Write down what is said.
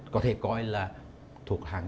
có thể coi là thuộc hàng